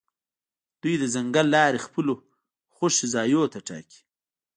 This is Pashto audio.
دوی د ځنګل لارې خپلو خوښې ځایونو ته ټاکي